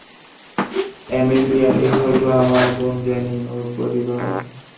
Amelia, এ হলো আমার বোন জেনিন, ওর পরিবার।